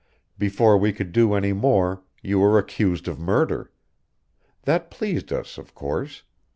Before we could do any more, you were accused of murder. That pleased us, of course.